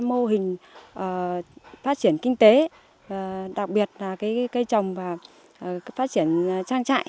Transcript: mô hình phát triển kinh tế đặc biệt là cây trồng và phát triển trang trại